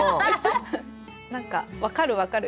何か「分かる分かる」